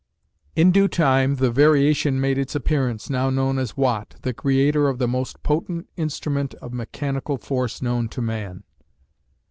In due time the "variation" made its appearance, now known as Watt, the creator of the most potent instrument of mechanical force known to man.